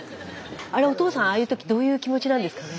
あれお父さんああいう時どういう気持ちなんですかね。